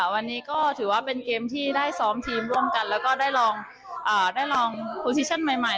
วันนี้ก็ถือว่าเป็นเกมที่ได้ซ้อมทีมร่วมกันแล้วก็ได้ลองโปรซิชั่นใหม่